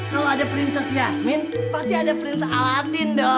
kalo ada prinses yamin pasti ada prinses alatin dong